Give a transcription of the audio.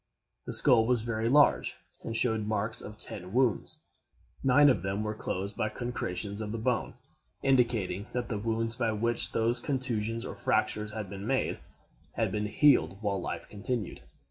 The skull was very large, and showed marks of ten wounds. Nine of them were closed by concretions of the bone, indicating that the wounds by which those contusions or fractures had been made had been healed while life continued.